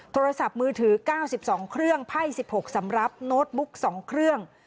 โทรศัพท์มือถือ๙๒เครื่องไพ่๑๖สำรับโน้ตบุ๊ก๒เครื่อง